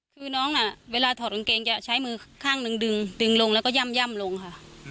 คือน้องเวลาถอดกางเกงจะใช้มือข้างหนึ่งดึงดึงลงแล้วก็ย่ำลงค่ะ